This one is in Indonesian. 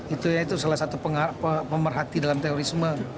itu salah satu pemerhati dalam terorisme